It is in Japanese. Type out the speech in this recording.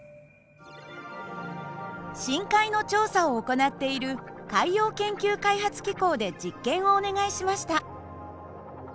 深海の調査を行っている海洋研究開発機構で実験をお願いしました。